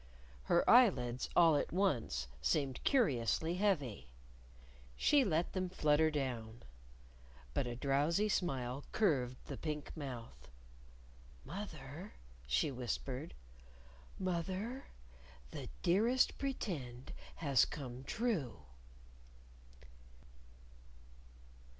Her eyelids, all at once, seemed curiously heavy. She let them flutter down. But a drowsy smile curved the pink mouth. "Moth er," she whispered; "moth er, the Dearest Pretend has come true!"